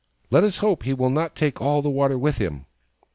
" Let us hope he will not take all the water with him."